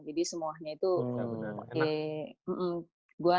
jadi semuanya itu oke